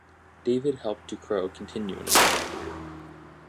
David helped Ducreux continue an official career.